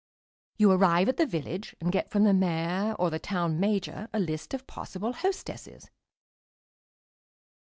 You arrive at the village and get from the Mayor or the Town Major a list of possible hostesses.